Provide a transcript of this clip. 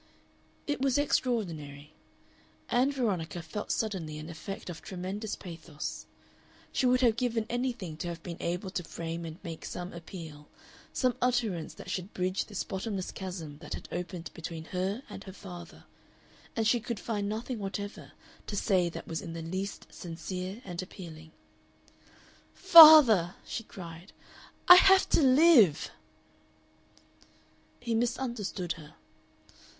It was extraordinary. Ann Veronica felt suddenly an effect of tremendous pathos; she would have given anything to have been able to frame and make some appeal, some utterance that should bridge this bottomless chasm that had opened between her and her father, and she could find nothing whatever to say that was in the least sincere and appealing. "Father," she cried, "I have to live!" He misunderstood her.